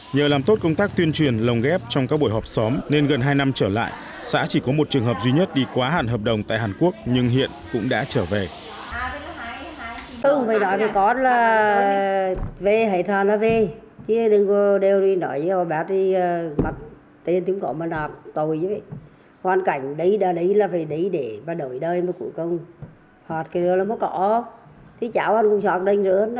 nhờ làm tốt công tác tuyên truyền lồng ghép trong các buổi họp xóm nên gần hai năm trở lại xã chỉ có một trường hợp duy nhất đi quá hạn hợp đồng tại hàn quốc nhưng hiện cũng đã trở về